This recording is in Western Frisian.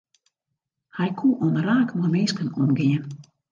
Hy koe omraak mei minsken omgean.